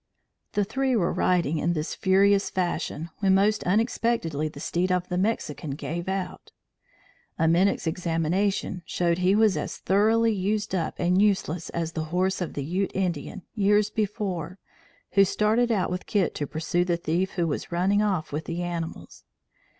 The three were riding in this furious fashion, when most unexpectedly the steed of the Mexican gave out. A minute's examination showed he was as thoroughly used up and useless as the horse of the Ute Indian, years before, who started out with Kit to pursue the thief that was running off with the animals.